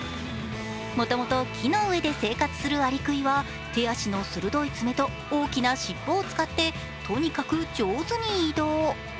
もともと木の上で生活するアリクイは手足の鋭い爪と大きな尻尾を使ってとにかく上手に移動。